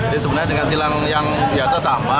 ini sebenarnya dengan tilang yang biasa sama